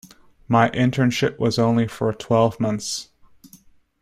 My internship was only for twelve months.